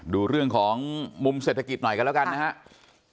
ดูเรื่องของมุมเศรษฐกิจหน่อยกันแล้วกันนะครับ